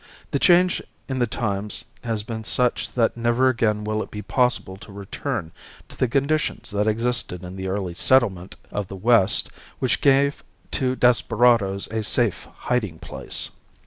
The change in the times has been such that never again will it be possible to return to the conditions that existed in the early settlement of the west which gave to desperadoes a safe hiding place.